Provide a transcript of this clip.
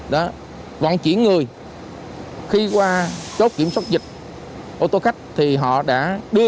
đưa người vượt chốt kiểm dịch trái phép để về quê